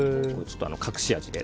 隠し味で。